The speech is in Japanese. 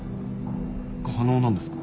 可能なんですか？